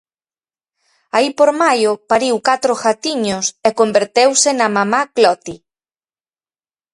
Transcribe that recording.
Aí por maio pariu catro gatiños e converteuse na Mamá Cloti.